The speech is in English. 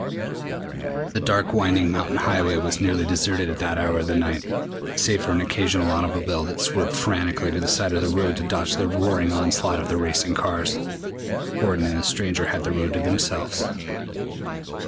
The dark winding mountain highway was nearly deserted at that hour of the night. Save for an occasional automobile that swerved frantically to the side of the road to dodge the roaring onslaught of the racing cars, Gordon and the stranger had the road to themselves.